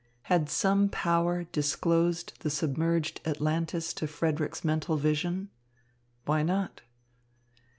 Had some power disclosed the submerged Atlantis to Frederick's mental vision? Why not?